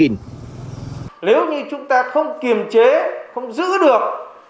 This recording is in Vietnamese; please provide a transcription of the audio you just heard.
nếu như chúng ta không kiềm chế không giữ được